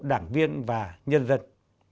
đảng viên và nhân dân